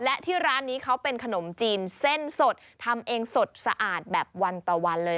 และที่ร้านนี้เขาเป็นขนมจีนเส้นสดทำเองสดสะอาดแบบวันต่อวันเลย